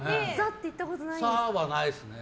サーはないですね。